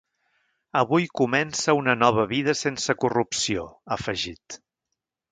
Avui comença una nova vida sense corrupció, ha afegit.